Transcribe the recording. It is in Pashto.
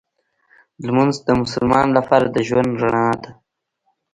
لمونځ د مسلمان لپاره د ژوند رڼا ده